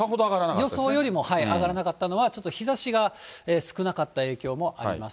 予想よりも上がらなかったのは、ちょっと日ざしが少なかった影響もあります。